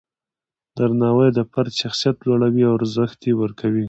درناوی د فرد شخصیت لوړوي او ارزښت ورکوي.